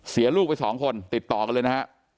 เสียลูกไป๒คนติดต่อกันเลยนะฮะ